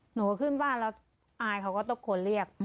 หนูก็ขึ้นบ้านแล้วอายเขาก็ตะโกนเรียก